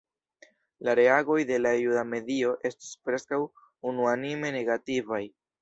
La reagoj de la juda medio estis preskaŭ unuanime negativaj.